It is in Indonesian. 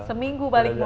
seminggu balik modal